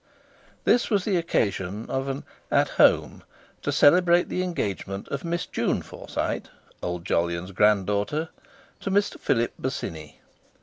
This was the occasion of an "at home" to celebrate the engagement of Miss June Forsyte, old Jolyon's granddaughter, to Mr. Philip Bosinney.